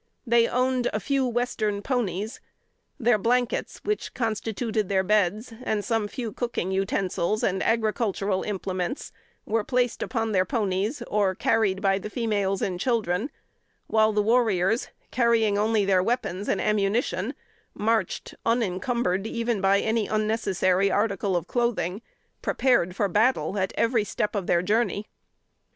They owned a few Western ponies. Their blankets, which constituted their beds, and some few cooking utensils and agricultural implements, were placed upon their ponies, or carried by the females and children; while the warriors, carrying only their weapons and ammunition, marched, unencumbered even by any unnecessary article of clothing, prepared for battle at every step of their journey.